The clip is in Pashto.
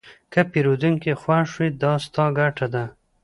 که پیرودونکی خوښ وي، دا ستا ګټه ده.